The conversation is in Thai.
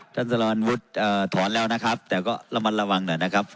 ท่านสรรวจเอ่อถอนแล้วนะครับแต่ก็ระมัดระวังหน่อยนะครับ